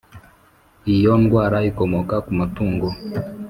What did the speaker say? Iyo ndwara ikomoka kuma tungo